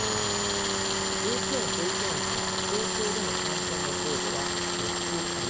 幼稚園保育園から高校での感染の経路は４つあります。